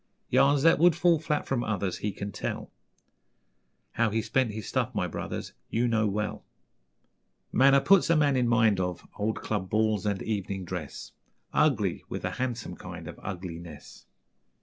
Yarns that would fall flat from others He can tell; How he spent his 'stuff', my brothers, You know well. Manner puts a man in mind of Old club balls and evening dress, Ugly with a handsome kind of Ugliness.